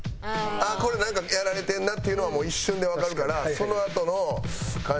あっこれなんかやられてるなっていうのはもう一瞬でわかるからそのあとの感じやな。